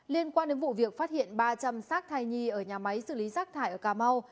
liên quan đến vụ việc phát hiện ba trăm linh sát thai nhi ở nhà máy xử lý rác thải ở cà mau